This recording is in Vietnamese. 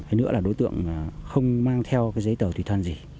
thế nữa là đối tượng không mang theo giấy tờ thủy thoan gì